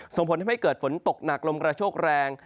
ส่งผลทำให้เกิดฝนตกหนักลมกระโชกแรง